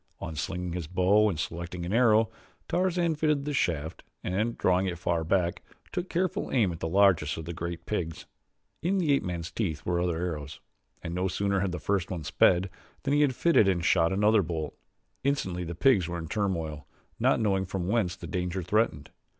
Un slinging his bow and selecting an arrow, Tarzan fitted the shaft and, drawing it far back, took careful aim at the largest of the great pigs. In the ape man's teeth were other arrows, and no sooner had the first one sped, than he had fitted and shot another bolt. Instantly the pigs were in turmoil, not knowing from whence the danger threatened.